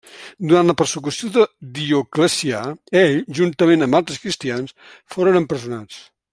Durant la persecució de Dioclecià, ell, juntament amb altres cristians, foren empresonats.